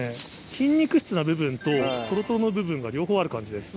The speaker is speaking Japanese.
筋肉質な部分とトロトロの部分が両方ある感じです。